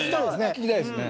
聞きたいですね。